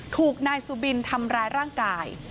ถูกนายสุบินทำร้ายร่างกาย